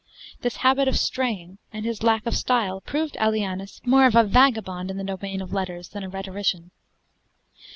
This habit of straying, and his lack of style, prove Aelianus more of a vagabond in the domain of letters than a rhetorician.